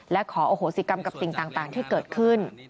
และขออโหสิกรรมกับสิ่งต่างที่เกิดขึ้น